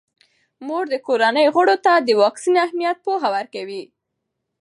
مور د کورنۍ غړو ته د واکسین اهمیت پوهه ورکوي.